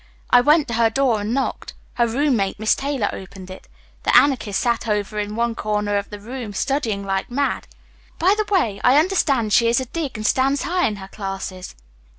I went to her door and knocked. Her roommate, Miss Taylor, opened it. The Anarchist sat over in one corner of the room, studying like mad. By the way, I understand she is a dig and stands high in her classes."